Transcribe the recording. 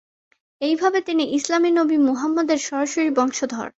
এইভাবে তিনি ইসলামী নবী মুহাম্মদের সরাসরি বংশধর।